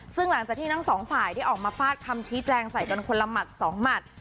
ซึ่งหลังจากที่ทั้งสองฝ่ายได้ออกมาฟาดคำชี้แจงใส่กันคนละหมัดสองหมัด